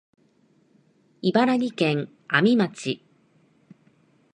茨城県阿見町